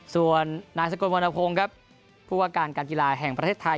ส่วนนายสกลวรรณพงศ์ครับผู้ว่าการการกีฬาแห่งประเทศไทย